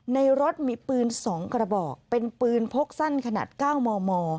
ในรถมีปืน๒กระบอกเป็นปืนพกสั้นขนาด๙มม